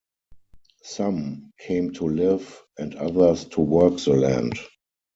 Some came to live and others to work the land.